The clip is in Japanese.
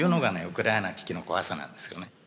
ウクライナ危機の怖さなんですよね。